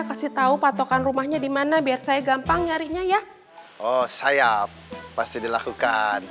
kasih tahu patokan rumahnya dimana biar saya gampang nyarinya ya oh sayap pasti dilakukan